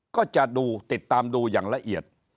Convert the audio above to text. ก็จะดูติดตามดูอย่างละเอียด